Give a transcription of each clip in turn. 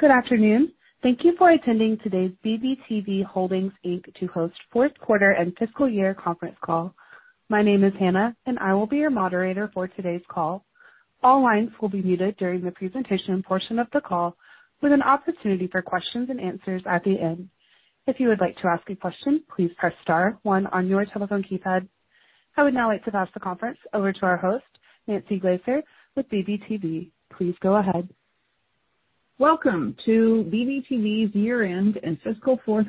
Good afternoon. Thank you for attending today's BBTV Holdings Inc. to host Q4 and fiscal year conference call. My name is Hannah, and I will be your moderator for today's call. All lines will be muted during the presentation portion of the call with an opportunity for questions and answers at the end. If you would like to ask a question, please press star one on your telephone keypad. I would now like to pass the conference over to our host, Nancy Glaister with BBTV. Please go ahead. Welcome to BBTV's year-end and fiscal Q4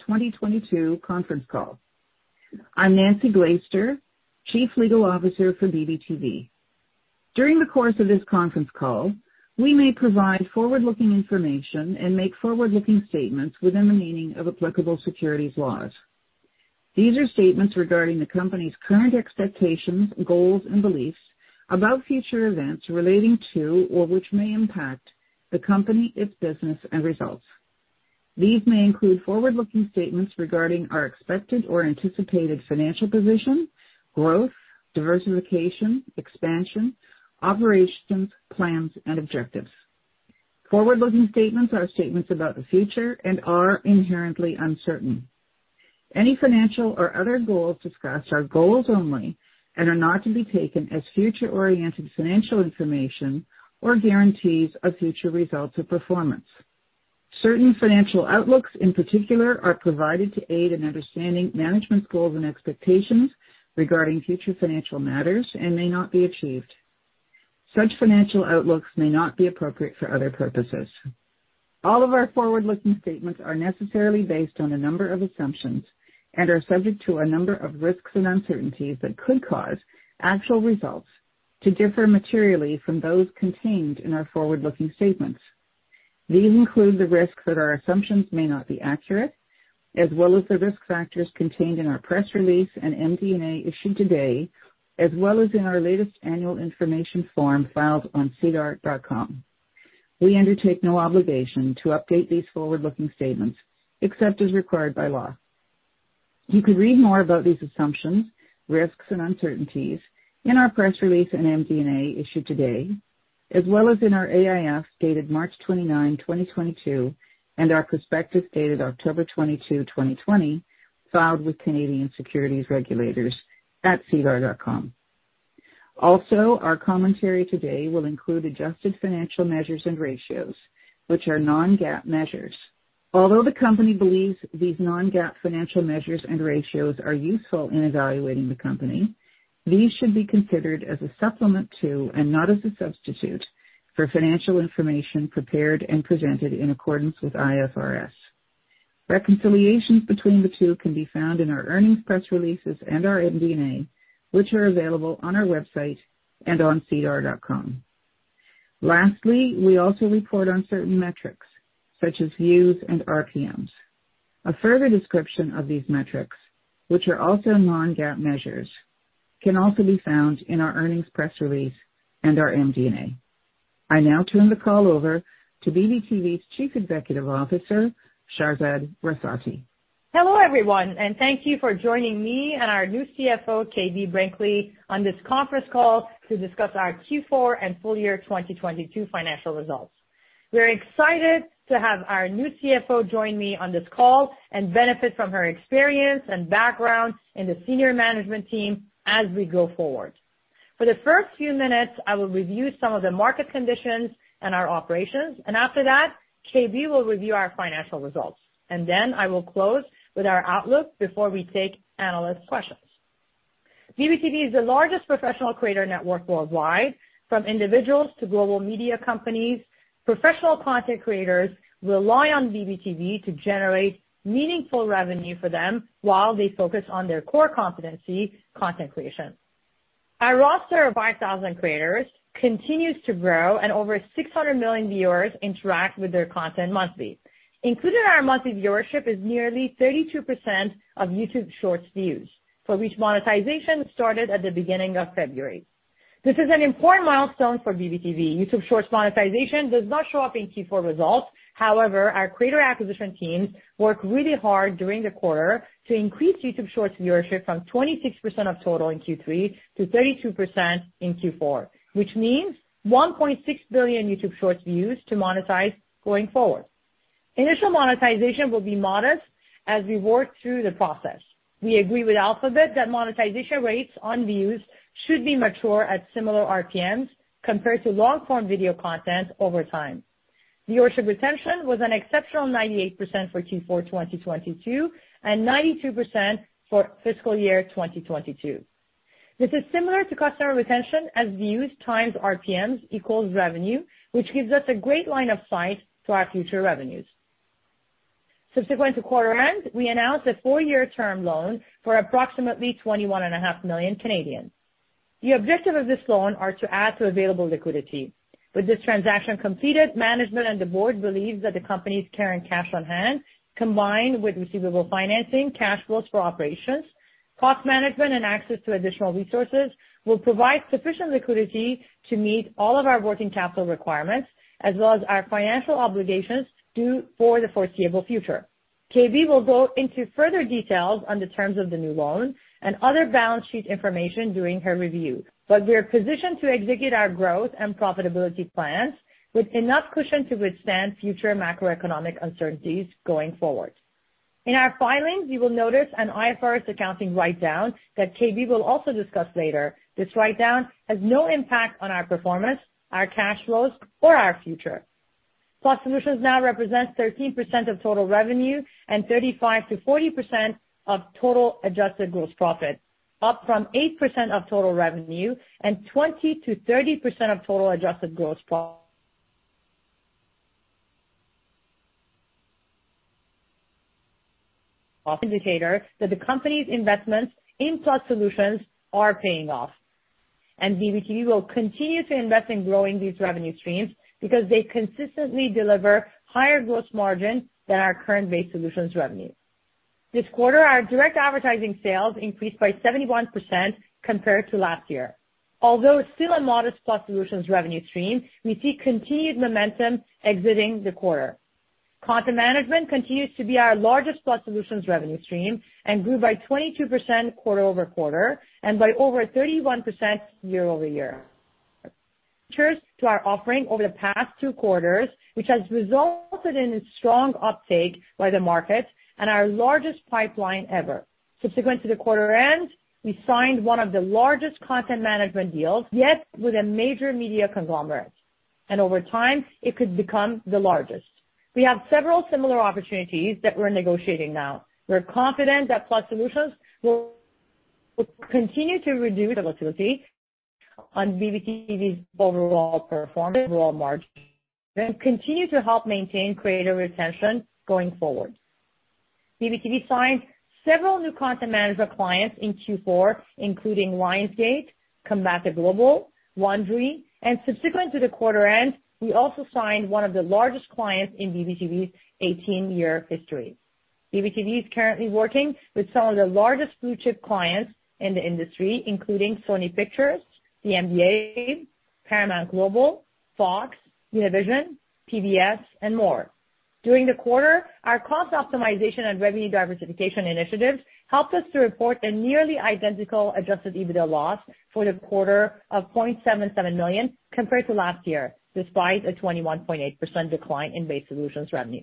2022 conference call. I'm Nancy Glaister, Chief Legal Officer for BBTV. During the course of this conference call, we may provide forward-looking information and make forward-looking statements within the meaning of applicable securities laws. These are statements regarding the company's current expectations, goals and beliefs about future events relating to or which may impact the company, its business and results. These may include forward-looking statements regarding our expected or anticipated financial position, growth, diversification, expansion, operations, plans and objectives. Forward-looking statements are statements about the future and are inherently uncertain. Any financial or other goals discussed are goals only and are not to be taken as future-oriented financial information or guarantees of future results or performance. Certain financial outlooks in particular are provided to aid in understanding management's goals and expectations regarding future financial matters and may not be achieved. Such financial outlooks may not be appropriate for other purposes. All of our forward-looking statements are necessarily based on a number of assumptions and are subject to a number of risks and uncertainties that could cause actual results to differ materially from those contained in our forward-looking statements. These include the risk that our assumptions may not be accurate, as well as the risk factors contained in our press release and MD&A issued today, as well as in our latest annual information form filed on sedar.com. We undertake no obligation to update these forward-looking statements except as required by law. You can read more about these assumptions, risks and uncertainties in our press release and MD&A issued today, as well as in our AIF dated March 29, 2022, and our perspective dated October 22, 2020, filed with Canadian Securities Regulators at sedar.com. Our commentary today will include Adjusted financial measures and ratios which are non-GAAP measures. Although the company believes these non-GAAP financial measures and ratios are useful in evaluating the company, these should be considered as a supplement to and not as a substitute for financial information prepared and presented in accordance with IFRS. Reconciliations between the two can be found in our earnings press releases and our MD&A, which are available on our website and on sedar.com. We also report on certain metrics such as views and RPMs. A further description of these metrics, which are also non-GAAP measures, can also be found in our earnings press release and our MD&A. I now turn the call over to BBTV's Chief Executive Officer, Shahrzad Rafati. Hello everyone, and thank you for joining me and our new CFO, KB Brinkley, on this conference call to discuss our Q4 and full year 2022 financial results. We're excited to have our new CFO join me on this call and benefit from her experience and background in the senior management team as we go forward. For the first few minutes, I will review some of the market conditions and our operations, and after that, KB will review our financial results. I will close with our outlook before we take analyst questions. BBTV is the largest professional creator network worldwide. From individuals to global media companies, professional content creators rely on BBTV to generate meaningful revenue for them while they focus on their core competency, content creation. Our roster of 5,000 creators continues to grow and over 600 million viewers interact with their content monthly. Included in our monthly viewership is nearly 32% of YouTube Shorts views, for which monetization started at the beginning of February. This is an important milestone for BBTV. YouTube Shorts monetization does not show up in Q4 results. Our creator acquisition teams worked really hard during the quarter to increase YouTube Shorts viewership from 26% of total in Q3 to 32% in Q4, which means $1.6 billion YouTube Shorts views to monetize going forward. Initial monetization will be modest as we work through the process. We agree with Alphabet that monetization rates on views should be mature at similar RPMs compared to long-form video content over time. Viewership retention was an exceptional 98% for Q4 2022 and 92% for fiscal year 2022. This is similar to customer retention as views times RPMs equals revenue, which gives us a great line of sight to our future revenues. Subsequent to quarter end, we announced a four-year term loan for approximately twenty-one and a half million Canadian. The objective of this loan are to add to available liquidity. With this transaction completed, management and the board believes that the company's current cash on hand, combined with receivable financing, cash flows for operations, cost management and access to additional resources will provide sufficient liquidity to meet all of our working capital requirements as well as our financial obligations due for the foreseeable future. KB will go into further details on the terms of the new loan and other balance sheet information during her review. We are positioned to execute our growth and profitability plans with enough cushion to withstand future macroeconomic uncertainties going forward. In our filings, you will notice an IFRS accounting write-down that KB will also discuss later. This write-down has no impact on our performance, our cash flows, or our future. Plus Solutions now represents 13% of total revenue and 35%-40% of total Adjusted Gross Profit, up from 8% of total revenue and 20%-30% of total Adjusted Gross Profit. Indicator that the company's investments in Plus Solutions are paying off. BBTV will continue to invest in growing these revenue streams because they consistently deliver higher gross margin than our current Base Solutions revenue. This quarter, our direct advertising sales increased by 71% compared to last year. Although it's still a modest Plus Solutions revenue stream, we see continued momentum exiting the quarter. Content management continues to be our largest Plus Solutions revenue stream and grew by 22% quarter-over-quarter and by over 31% year-over-year. Features to our offering over the past two quarters, which has resulted in a strong uptake by the market and our largest pipeline ever. Subsequent to the quarter end, we signed one of the largest content management deals, yet with a major media conglomerate, and over time, it could become the largest. We have several similar opportunities that we're negotiating now. We're confident that Plus Solutions will continue to reduce volatility on BBTV's overall performance, overall margin, and continue to help maintain creator retention going forward. BBTV signed several new content manager clients in Q4, including Lionsgate, Combate Global, Laundry, and subsequent to the quarter end, we also signed one of the largest clients in BBTV's 18-year history. BBTV is currently working with some of the largest blue-chip clients in the industry, including Sony Pictures, the NBA, Paramount Global, Fox, Univision, PBS, and more. During the quarter, our cost optimization and revenue diversification initiatives helped us to report a nearly identical Adjusted EBITDA loss for the quarter of $0.77 million compared to last year, despite a 21.8% decline in Base Solutions revenue.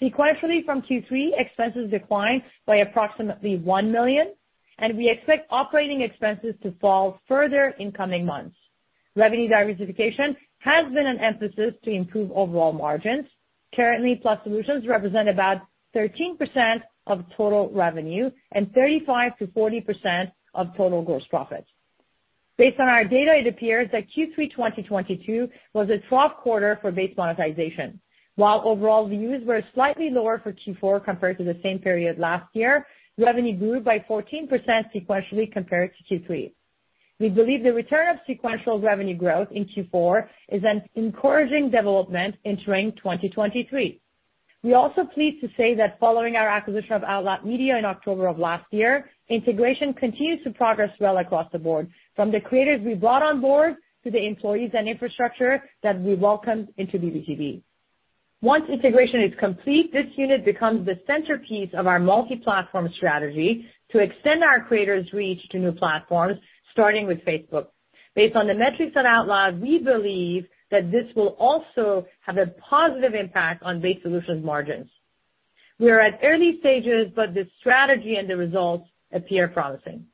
Sequentially from Q3, expenses declined by approximately $1 million, and we expect operating expenses to fall further in coming months. Revenue diversification has been an emphasis to improve overall margins. Currently, Plus Solutions represent about 13% of total revenue and 35%-40% of total gross profit. Based on our data, it appears that Q3 2022 was a trough quarter for base monetization. While overall views were slightly lower for Q4 compared to the same period last year, revenue grew by 14% sequentially compared to Q3. We believe the return of sequential revenue growth in Q4 is an encouraging development entering 2023. We're also pleased to say that following our acquisition of Outloud Media in October of last year, integration continues to progress well across the board, from the creators we brought on board to the employees and infrastructure that we welcomed into BBTV. Once integration is complete, this unit becomes the centerpiece of our multi-platform strategy to extend our creators' reach to new platforms, starting with Facebook. Based on the metrics at Outloud, we believe that this will also have a positive impact on Base Solutions margins. We are at early stages. The strategy and the results appear promising.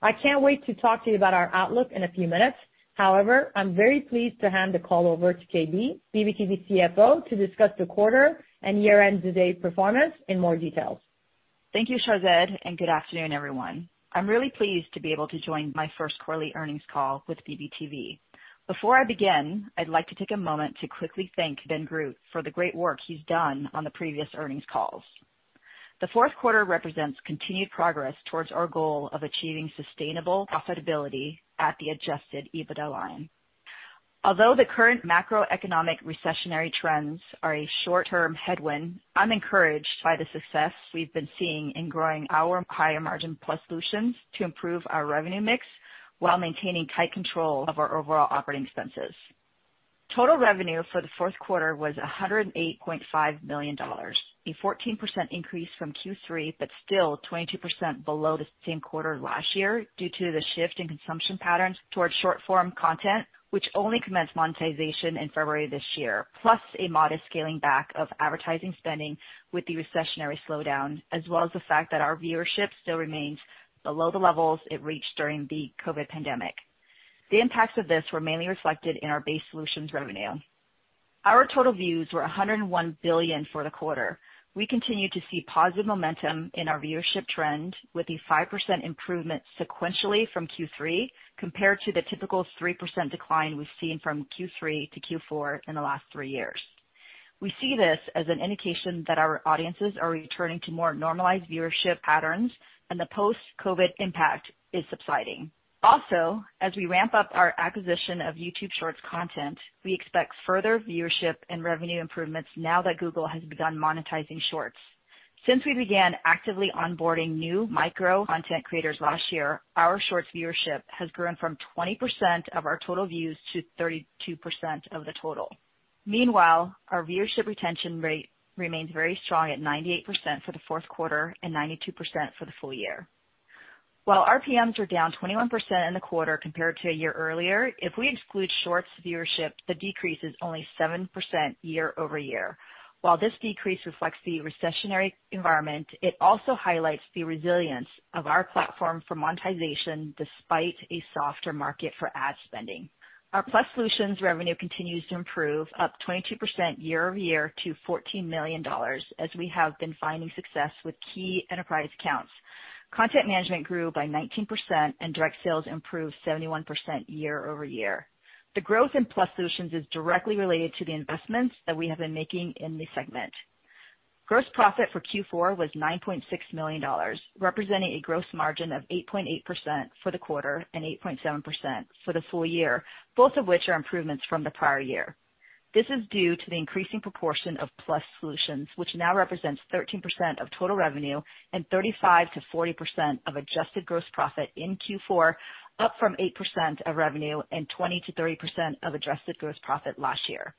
I can't wait to talk to you about our outlook in a few minutes. However, I'm very pleased to hand the call over to KB, BBTV CFO, to discuss the quarter and year-end to date performance in more details. Thank you, Shahrzad. Good afternoon, everyone. I'm really pleased to be able to join my unceratain earnings call with BBTV. Before I begin, I'd like to take a moment to quickly thank Ben Groot for the great work he's done on the previous earnings calls. The Q4 represents continued progress towards our goal of achieving sustainable profitability at the Adjusted EBITDA line. Although the current macroeconomic recessionary trends are a short-term headwind, I'm encouraged by the success we've been seeing in growing our higher-margin Plus Solutions to improve our revenue mix while maintaining tight control of our overall operating expenses. Total revenue for the Q4 was $108.5 million, a 14% increase from Q3, still 22% below the same quarter last year due to the shift in consumption patterns towards short-form content, which only commenced monetization in February this year, plus a modest scaling back of advertising spending with the recessionary slowdown, as well as the fact that our viewership still remains below the levels it reached during the COVID pandemic. The impacts of this were mainly reflected in our Base Solutions revenue. Our total views were 101 billion for the quarter. We continue to see positive momentum in our viewership trend, with a 5% improvement sequentially from Q3 compared to the typical 3% decline we've seen from Q3 to Q4 in the last three years. We see this as an indication that our audiences are returning to more normalized viewership patterns and the post-COVID impact is subsiding. As we ramp up our acquisition of YouTube Shorts content, we expect further viewership and revenue improvements now that Google has begun monetizing Shorts. Since we began actively onboarding new micro-content creators last year, our Shorts viewership has grown from 20% of our total views to 32% of the total. Meanwhile, our viewership retention rate remains very strong at 98% for the Q4 and 92% for the full year. While RPMs are down 21% in the quarter compared to a year earlier, if we exclude Shorts viewership, the decrease is only 7% year-over-year. While this decrease reflects the recessionary environment, it also highlights the resilience of our platform for monetization despite a softer market for ad spending. Our Plus Solutions revenue continues to improve, up 22% year-over-year to $14 million, as we have been finding success with key enterprise accounts. Content management grew by 19%, and direct sales improved 71% year-over-year. The growth in Plus Solutions is directly related to the investments that we have been making in this segment. Gross profit for Q4 was $9.6 million, representing a gross margin of 8.8% for the quarter and 8.7% for the full year, both of which are improvements from the prior year. This is due to the increasing proportion of Plus Solutions, which now represents 13% of total revenue and 35%-40% of Adjusted Gross Profit in Q4, up from 8% of revenue and 20%-30% of Adjusted Gross Profit last year.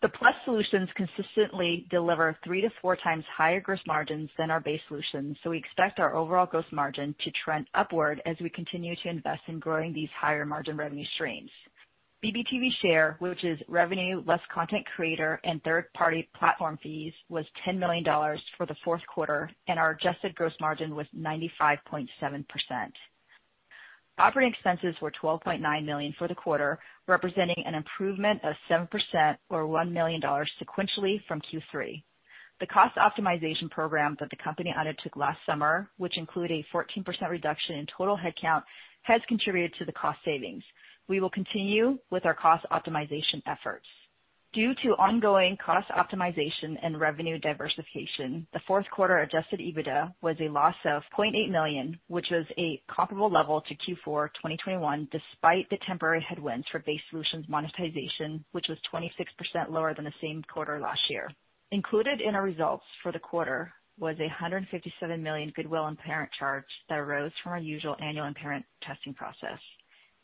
The Plus Solutions consistently deliver three to four times higher gross margins than our Base Solutions. We expect our overall gross margin to trend upward as we continue to invest in growing these higher margin revenue streams. BBTV Share, which is revenue less content creator and third-party platform fees, was $10 million for the Q4. Our Adjusted Gross Margin was 95.7%. Operating expenses were $12.9 million for the quarter, representing an improvement of 7% or $1 million sequentially from Q3. The cost optimization program that the company undertook last summer, which include a 14% reduction in total headcount, has contributed to the cost savings. We will continue with our cost optimization efforts. Due to ongoing cost optimization and revenue diversification, the Q4 Adjusted EBITDA was a loss of $0.8 million, which was a comparable level to Q4 2021, despite the temporary headwinds for Base Solutions monetization, which was 26% lower than the same quarter last year. Included in our results for the quarter was a $157 million goodwill impairment charge that arose from our usual annual impairment testing process.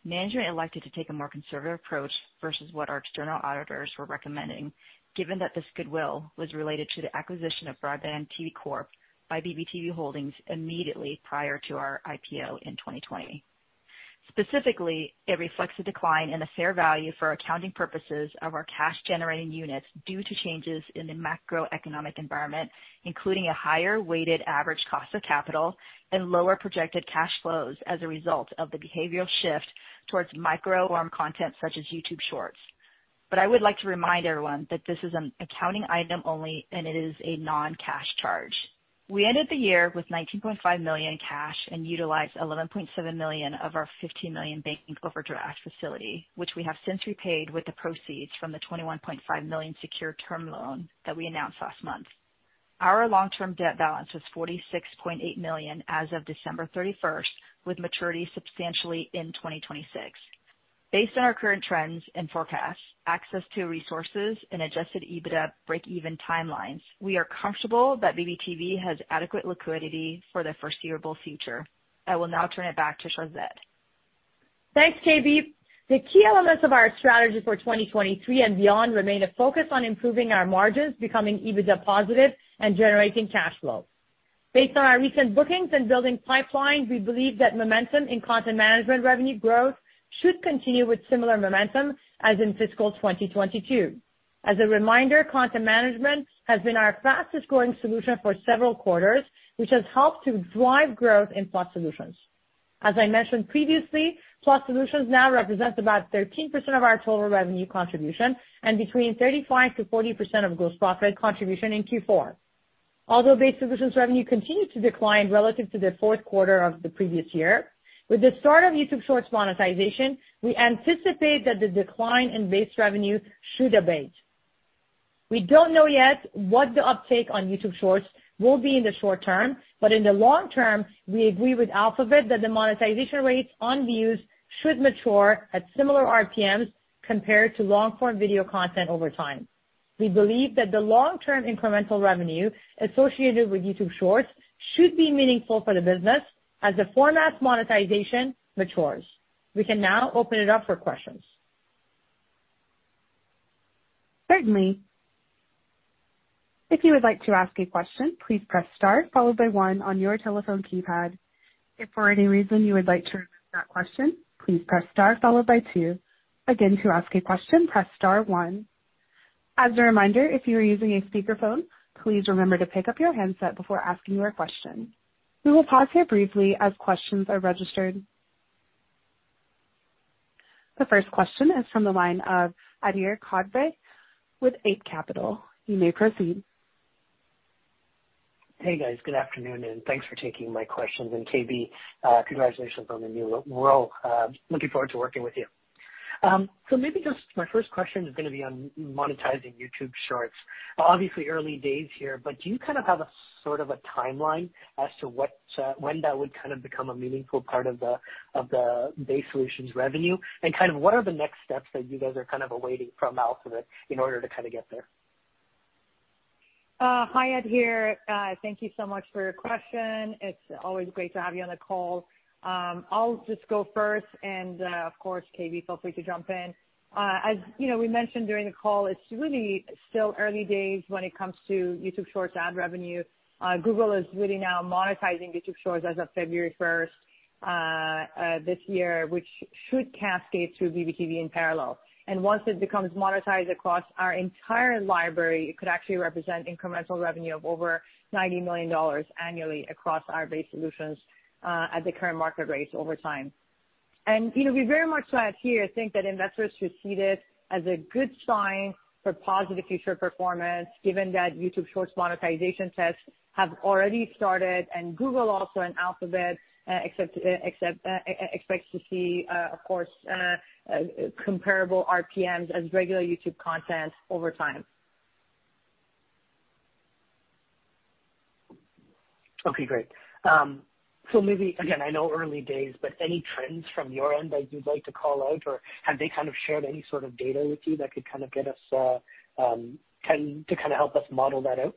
Management elected to take a more conservative approach versus what our external auditors were recommending, given that this goodwill was related to the acquisition of BroadbandTV Corp by BBTV Holdings immediately prior to our IPO in 2020. Specifically, it reflects a decline in the fair value for accounting purposes of our cash-generating units due to changes in the macroeconomic environment, including a higher weighted average cost of capital and lower projected cash flows as a result of the behavioral shift towards micro form content such as YouTube Shorts. I would like to remind everyone that this is an accounting item only, and it is a non-cash charge. We ended the year with 19.5 million in cash and utilized 11.7 million of our 15 million banking overdraft facility, which we have since repaid with the proceeds from the 21.5 million secure term loan that we announced last month. Our long-term debt balance was 46.8 million as of December 31st, with maturity substantially in 2026. Based on our current trends and forecasts, access to resources and Adjusted EBITDA break-even timelines, we are comfortable that BBTV has adequate liquidity for the foreseeable future. I will now turn it back to Shahrzad. Thanks, KB. The key elements of our strategy for 2023 and beyond remain a focus on improving our margins, becoming EBITDA positive and generating cash flow. Based on our recent bookings and building pipelines, we believe that momentum in content management revenue growth should continue with similar momentum as in fiscal 2022. As a reminder, content management has been our fastest growing solution for several quarters, which has helped to drive growth in Plus Solutions. As I mentioned previously, Plus Solutions now represents about 13% of our total revenue contribution and between 35%-40% of gross profit contribution in Q4. Although Base Solutions revenue continued to decline relative to the Q4 of the previous year, with the start of YouTube Shorts monetization, we anticipate that the decline in Base revenue should abate. We don't know yet what the uptake on YouTube Shorts will be in the short term. In the long term, we agree with Alphabet that the monetization rates on views should mature at similar RPMs compared to long-form video content over time. We believe that the long-term incremental revenue associated with YouTube Shorts should be meaningful for the business as the format's monetization matures. We can now open it up for questions. Certainly. If you would like to ask a question, please press star, followed by one on your telephone keypad. If for any reason you would like to remove that question, please press star followed by two. Again, to ask a question, press star one. As a reminder, if you are using a speakerphone, please remember to pick up your handset before asking your question. We will pause here briefly as questions are registered. The first question is from the line of Adair Codroy with Adair Capital. You may proceed. Hey, guys. Good afternoon, and thanks for taking my questions. KB, congratulations on the new role. Looking forward to working with you. Maybe just my first question is gonna be on monetizing YouTube Shorts. Obviously early days here, but do you kind of have a sort of a timeline as to what, when that would kind of become a meaningful part of the Base Solutions revenue? Kind of what are the next steps that you guys are kind of awaiting from Alphabet in order to kinda get there? Hi, Adair. Thank you so much for your question. It's always great to have you on the call. I'll just go first and, of course, KB, feel free to jump in. As you know, we mentioned during the call it's really still early days when it comes to YouTube Shorts ad revenue. Google is really now monetizing YouTube Shorts as of February 1st this year, which should cascade through BBTV in parallel. Once it becomes monetized across our entire library, it could actually represent incremental revenue of over $90 million annually across our Base Solutions at the current market rates over time. You know, we very much so as here think that investors should see this as a good sign for positive future performance given that YouTube Shorts monetization tests have already started and Google also and Alphabet expect to see, of course, comparable RPMs as regular YouTube content over time. Okay, great. Maybe again, I know early days, but any trends from your end that you'd like to call out or have they kind of shared any sort of data with you that could kind of get us to kinda help us model that out?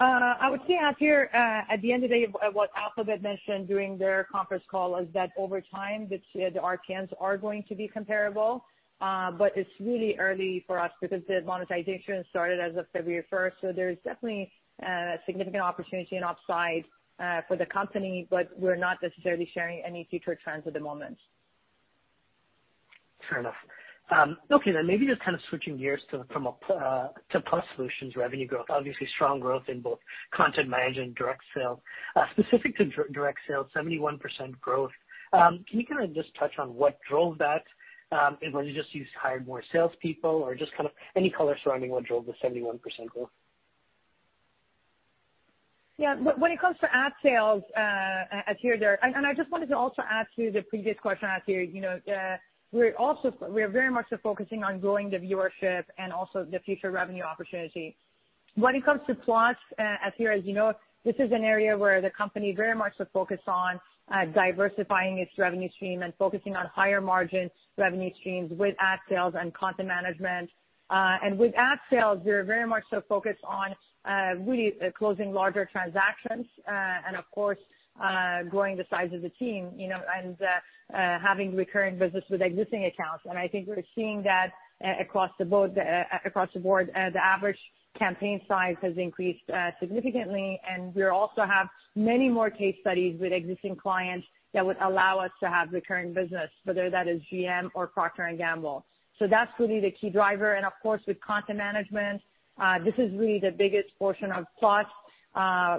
I would say, Adair, at the end of the day, what Alphabet mentioned during their conference call is that over time, the RPMs are going to be comparable. It's really early for us because the monetization started as of February first. There's definitely significant opportunity and upside for the company, but we're not necessarily sharing any future trends at the moment. Fair enough. Okay, maybe just kind of switching gears to, from a, to Plus Solutions revenue growth. Obviously, strong growth in both content management and direct sales. Specific to direct sales, 71% growth. Can you kinda just touch on what drove that? Whether you just used, hired more salespeople or just kind of any color surrounding what drove the 71% growth. Yeah. When it comes to ad sales, I just wanted to also add to the previous question asked here, you know, we're very much so focusing on growing the viewership and also the future revenue opportunity. When it comes to Plus, as here as you know, this is an area where the company very much so focused on diversifying its revenue stream and focusing on higher margin revenue streams with ad sales and content management. With ad sales, we're very much so focused on really closing larger transactions and of course growing the size of the team, you know, and having recurring business with existing accounts. I think we're seeing that across the board, across the board, the average campaign size has increased significantly, and we also have many more case studies with existing clients that would allow us to have recurring business, whether that is GM or Procter & Gamble. That's really the key driver. Of course, with content management, this is really the biggest portion of Plus,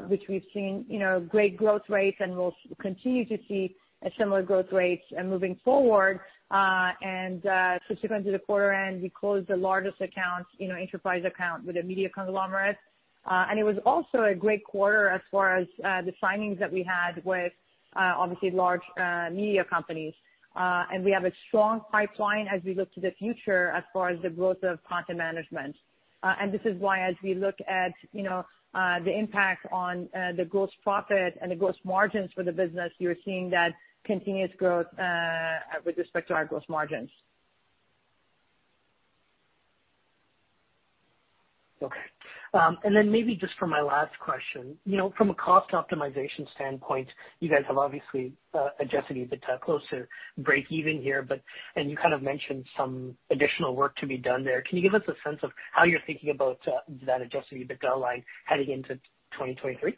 which we've seen, you know, great growth rates, and we'll continue to see similar growth rates moving forward. And subsequent to the quarter end, we closed the largest account, you know, enterprise account with a media conglomerate. And it was also a great quarter as far as the signings that we had with obviously large media companies. We have a strong pipeline as we look to the future as far as the growth of content management. This is why as we look at, you know, the impact on the gross profit and the gross margins for the business, you're seeing that continuous growth with respect to our gross margins. Okay. Maybe just for my last question. You know, from a cost optimization standpoint, you guys have obviously, Adjusted EBITDA closer break even here, but and you kind of mentioned some additional work to be done there. Can you give us a sense of how you're thinking about, that Adjusted EBITDA line heading into 2023?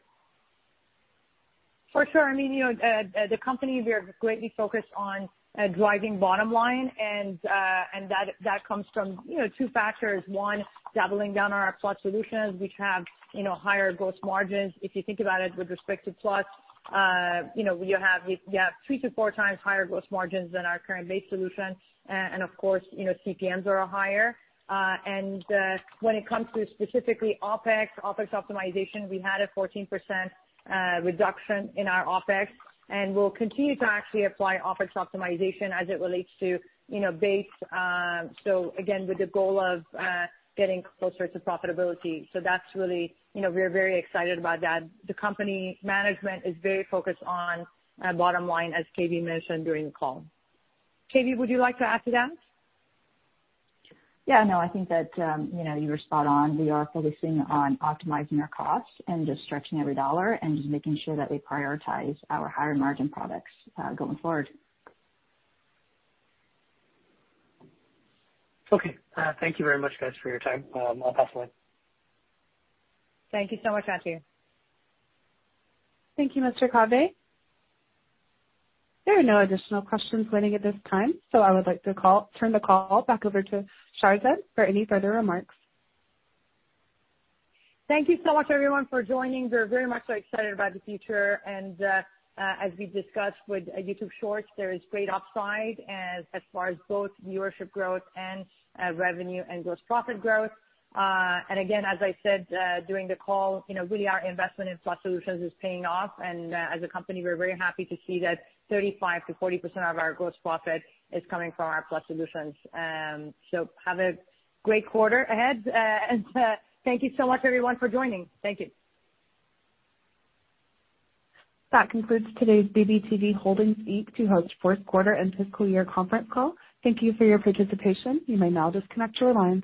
For sure. I mean, you know, the company, we are greatly focused on driving bottom line and that comes from, you know, two factors. One, doubling down on our Plus Solutions, which have, you know, higher gross margins. If you think about it with respect to Plus, you know, you have three-four times higher gross margins than our current Base Solutions. Of course, you know, CPMs are higher. When it comes to specifically OpEx optimization, we had a 14% reduction in our OpEx, and we'll continue to actually apply OpEx optimization as it relates to, you know, Base, so again, with the goal of getting closer to profitability. That's really, you know, we're very excited about that. The company management is very focused on, bottom line, as KB mentioned during the call. KB, would you like to add to that? No, I think that, you know, you were spot on. We are focusing on optimizing our costs and just stretching every dollar and just making sure that we prioritize our higher margin products, going forward. Okay. Thank you very much, guys, for your time. I'll pass the line. Thank you so much, Adair. Thank you, Mr. Codray. There are no additional questions waiting at this time, so I would like to turn the call back over to Shahrzad for any further remarks. Thank you so much, everyone, for joining. We're very much so excited about the future, and as we've discussed with YouTube Shorts, there is great upside as far as both viewership growth and revenue and gross profit growth. Again, as I said, during the call, you know, really our investment in Plus solutions is paying off. As a company, we're very happy to see that 35%-40% of our gross profit is coming from our Plus solutions. So have a great quarter ahead. Thank you so much, everyone, for joining. Thank you. That concludes today's BBTV Holdings Inc. 204th quarter and fiscal year conference call. Thank you for your participation. You may now disconnect your lines.